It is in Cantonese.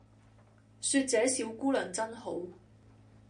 說這小姑娘真好